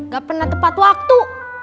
gak pernah tepat waktu